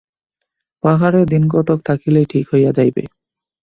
পাহাড়ে দিনকতক থাকিলেই ঠিক হইয়া যাইবে।